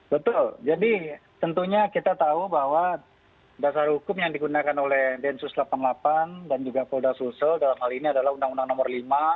betul jadi tentunya kita tahu bahwa dasar hukum yang digunakan oleh densus delapan puluh delapan dan juga polda sulsel dalam hal ini adalah undang undang nomor lima